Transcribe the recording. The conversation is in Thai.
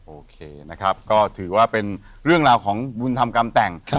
โอเคนะครับก็ถือว่าเป็นเรื่องราวของบุญธรรมกรรมแต่ง